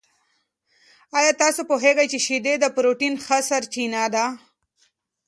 آیا تاسو پوهېږئ چې شیدې د پروټین ښه سرچینه دي؟